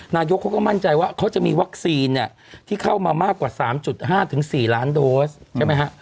นายกเขาก็มั่นใจว่าเขาจะมีวัคซีนเนี่ยที่เข้ามามากกว่า๓๕๔ล้านโดสใช่ไหมฮะ